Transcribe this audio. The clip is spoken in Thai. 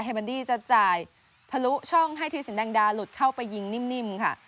เบอร์ดี้จะจ่ายทะลุช่องให้ธีสินแดงดาหลุดเข้าไปยิงนิ่มค่ะ